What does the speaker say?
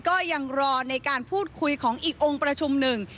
ก็ยังรอในการพูดคุยของอีกองค์ประชุมหนึ่ง